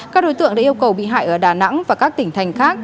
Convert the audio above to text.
các đối tượng đã yêu cầu bị hại ở đà nẵng và các tỉnh thành khác